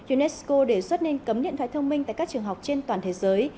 unesco đề xuất nên cấm điện thoại thông minh tại các trường học trên toàn thế giới